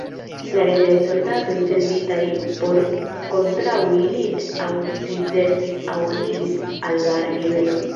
La reĝaj soldatoj senditaj por kontraŭi lin aŭ dizertis aŭ aniĝis al la ribelo.